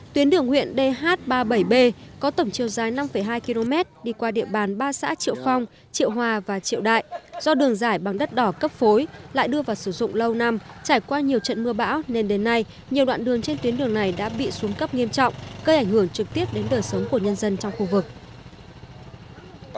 tuyến đường huyện dh ba mươi bảy b có tổng chiều dài năm hai km đi qua địa bàn ba xã triệu phong triệu hòa và triệu đại do đường giải bằng đất đỏ cấp phối lại đưa vào sử dụng lâu năm trải qua nhiều trận mưa bão nên đến nay nhiều đoạn đường trên tuyến đường này đã bị xuống cấp nghiêm trọng gây ảnh hưởng trực tiếp đến đời sống của nhân dân trong khu vực